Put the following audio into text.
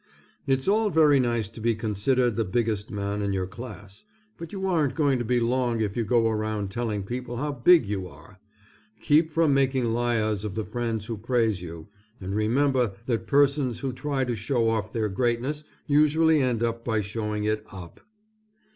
It's all very nice to be considered the biggest man in your class, but you aren't going to be long if you go around telling people how big you are. Keep from making liars of the friends who praise you, and remember that persons who try to show off their greatness usually end by showing it up.